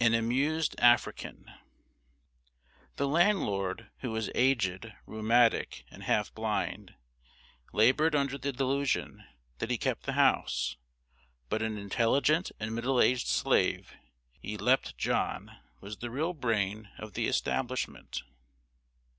[Sidenote: AN AMUSED AFRICAN.] The landlord, who was aged, rheumatic, and half blind, labored under the delusion that he kept the house; but an intelligent and middle aged slave, yclept John, was the real brain of the establishment.